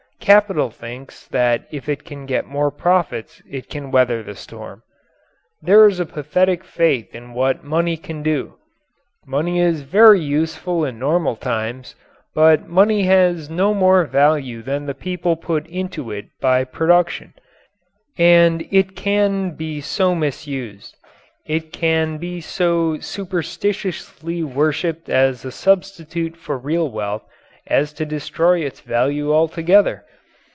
Capital thinks that if it can get more profits, it can weather the storm. There is a pathetic faith in what money can do. Money is very useful in normal times, but money has no more value than the people put into it by production, and it can be so misused. It can be so superstitiously worshipped as a substitute for real wealth as to destroy its value altogether.